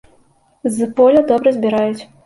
З поля добра збіраюць.